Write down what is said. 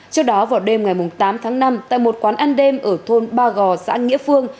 trước đó vào đêm ngày tám tháng năm tại một quán ăn đêm ở thôn ba gò xã nghĩa phương